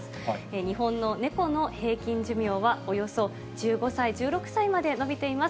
日本の猫の平均寿命はおよそ１５歳、１６歳まで延びています。